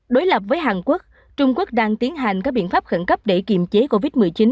đối lập với hàn quốc trung quốc đang tiến hành các biện pháp khẩn cấp để kiềm chế covid một mươi chín